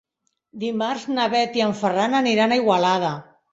Dimarts na Bet i en Ferran aniran a Igualada.